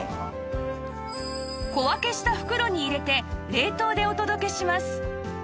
小分けした袋に入れて冷凍でお届けします